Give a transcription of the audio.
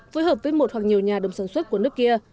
phối hợp với một hoặc nhiều nhà đồng sản xuất của nước kia